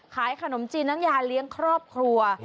ขายขนมจีนน้ำยาเลี้ยงครอบครัว